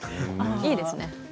いいですね。